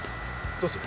どうする？